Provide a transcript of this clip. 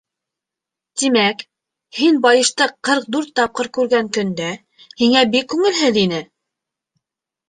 Тимәк, һин байышты ҡырҡ дүрт тапҡыр күргән көндә, һиңә бик күңелһеҙ ине?